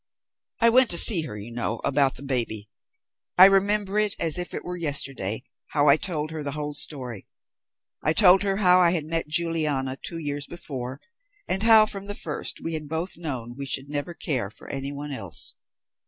I went to see her, you know, about the baby. I remember, as if it was yesterday, how I told her the whole story. I told her how I had met Juliana two years before, and how, from the first, we had both known we should never care for anyone else.